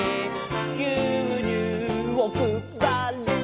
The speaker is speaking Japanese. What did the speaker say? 「ぎゅうにゅうをくばる」